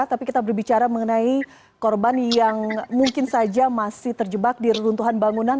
tapi kita berbicara mengenai korban yang mungkin saja masih terjebak di reruntuhan bangunan